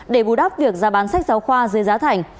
để bù đắp việc ra bán sách giáo khoa dưới giá thành